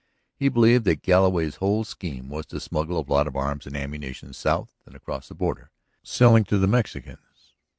He believed that Galloway's whole scheme was to smuggle a lot of arms and ammunition south and across the border, selling to the Mexicans.